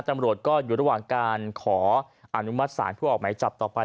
ตำรวจก็อยู่ระหว่างการขออนุมัติศาลเพื่อออกหมายจับต่อไป